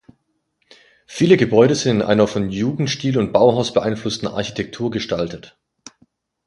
Viele Gebäude sind in einer von Jugendstil und Bauhaus beeinflussten Architektur gestaltet.